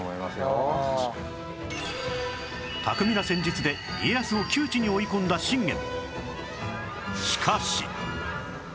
巧みな戦術で家康を窮地に追い込んだ信玄